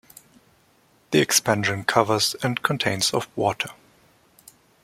The expansion covers and contains of water.